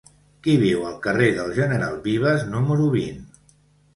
Qui viu al carrer del General Vives número vint?